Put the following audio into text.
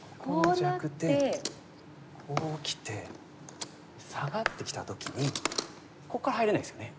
こうきてサガってきた時にここから入れないですよね。